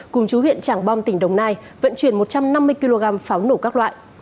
cùng chú huyện tràng bom tỉnh đồng nai vận chuyển một trăm năm mươi kg pháo nổ các loại